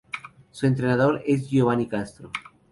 Su entrenador es Giovanni Castro